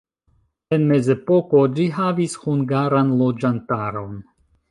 En mezepoko ĝi havis hungaran loĝantaron.